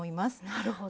なるほど。